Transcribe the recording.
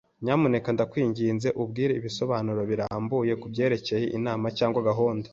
Nyamuneka ndakwinginze umbwire ibisobanuro birambuye kubyerekeye inama cyangwa gahunda.